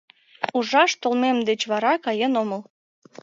Ужаш толмем деч вара каен омыл.